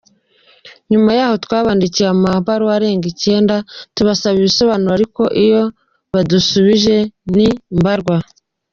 Nyuma yaho twabandikiye amabaruwa arenga icyenda tubasaba ibisobanuro ariko ayo badusubije ni mbarwa.